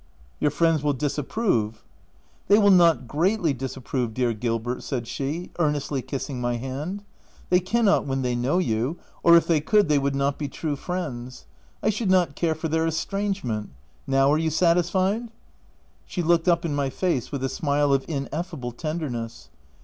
" Your friends will disapprove." "They will not greatly disapprove, dear Gil OF WILDFELL HALL. 3 33 bert," said she, earnestly kissing my hand — "they cannot, when they know you — or if they could, they would not be true friends ; I should not care for their estrangement. — Now are you satisfied ?" She looked up in my face with a smile of ineffable tenderness.